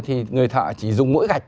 thì người thợ chỉ dùng mỗi gạch